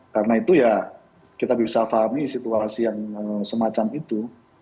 karena itu ya kita bisa fahami situasi yang semacam itu